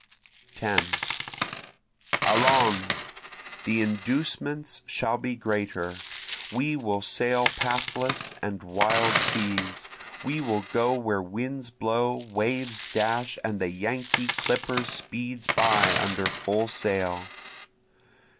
10 Allons! the inducements shall be greater, We will sail pathless and wild seas, We will go where winds blow, waves dash, and the Yankee clipper speeds by under full sail.